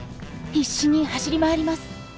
必死に走り回ります。